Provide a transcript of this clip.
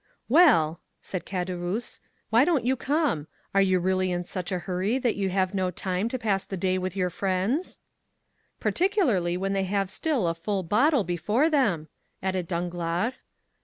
"Well", said Caderousse, "why don't you come? Are you really in such a hurry that you have no time to pass the time of day with your friends?" "Particularly when they have still a full bottle before them," added Danglars.